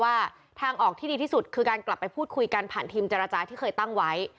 ว่าทางออกที่ดีที่สุดคือการกลับไปพูดคุยกันผ่านทีมเจรจาที่เคยตั้งไว้